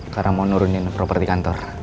karena mau nurunin properti kantor